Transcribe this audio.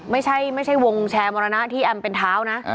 ไม่ใช่วงแชร์มรณะที่แอมเป็นเท้านะ